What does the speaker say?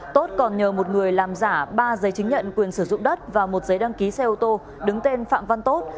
tốt còn nhờ một người làm giả ba giấy chứng nhận quyền sử dụng đất và một giấy đăng ký xe ô tô đứng tên phạm văn tốt